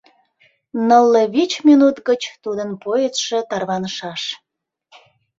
Нылле вич минут гыч тудын поездше тарванышаш.